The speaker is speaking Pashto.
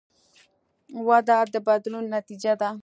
وده د بدلون نتیجه ده.